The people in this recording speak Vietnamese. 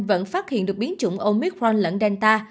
vẫn phát hiện được biến chủng omicron lẫn delta